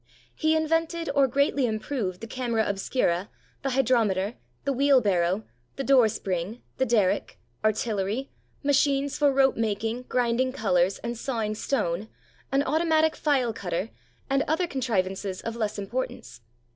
He invented or greatly improved the camera obscura, the hydrometer, the wheelbarrow, the door spring, the derrick, artillery, machines for rope making, grinding colors, and sawing stone, an automatic file cutter, and other contrivances of less importance.